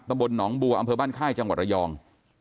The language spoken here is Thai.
บลหนองบัวอำเภอบ้านค่ายจังหวัดระยอง